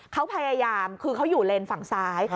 เขาพยายามคือเขาอยู่เลนส์ฝั่งซ้าย